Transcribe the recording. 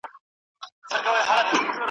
وطن زموږ ګډ کور دی.